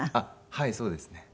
はいそうですね。